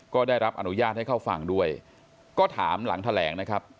ก็ได้รับอนุญาตให้เข้าฟังด้วยก็ถามหลังแถลงนะครับ